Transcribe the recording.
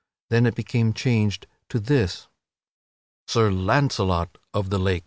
Then it became changed to this: SIR LAUNCELOT OF THE LAKE.